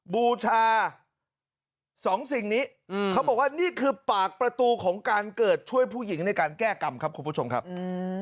บูชาสองสิ่งนี้อืมเขาบอกว่านี่คือปากประตูของการเกิดช่วยผู้หญิงในการแก้กรรมครับคุณผู้ชมครับอืม